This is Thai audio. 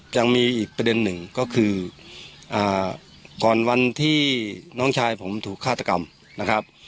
ยังมีอีกประเด็นหนึ่งก็คือก่อนวันที่น้องชายผมถูกฆาตกรรมนะครับ